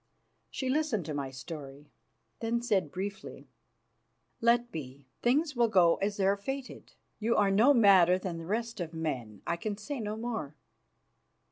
She listened to my story, then said briefly, "Let be. Things will go as they are fated. You are no madder than the rest of men. I can say no more."